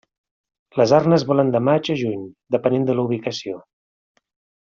Les arnes volen de maig a juny, depenent de la ubicació.